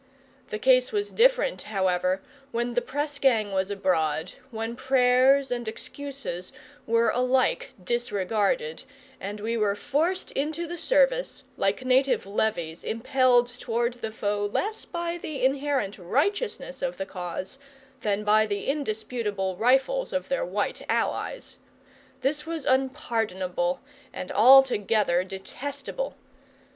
The case was different, however, when the press gang was abroad, when prayers and excuses were alike disregarded, and we were forced into the service, like native levies impelled toward the foe less by the inherent righteousness of the cause than by the indisputable rifles of their white allies. This was unpardonable and altogether detestable.